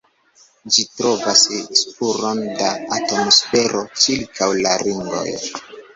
Ĝi trovas spuron da atmosfero ĉirkaŭ la ringoj.